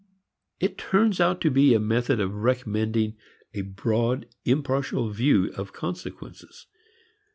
It turns out to be a method of recommending a broad impartial view of consequences.